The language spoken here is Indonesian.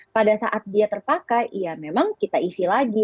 pada saat dia terpakai ya memang kita isi lagi